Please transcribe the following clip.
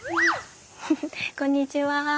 こんにちは。